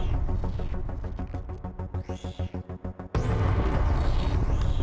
orang yang udah gue anggap seperti keluarga gue sendiri